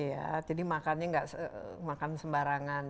iya jadi makannya nggak makan sembarangan